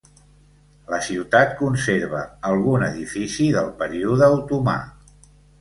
La ciutat conserva algun edifici del període otomà.